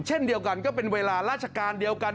เช่นเดียวกันก็เป็นเวลาราชการเดียวกัน